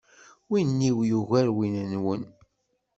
Win-iw yugar win-nwen.